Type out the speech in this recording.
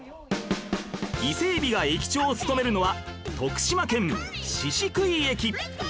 伊勢エビが駅長を務めるのは徳島県宍喰駅